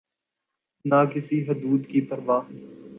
نہ کسی حدود کی پروا۔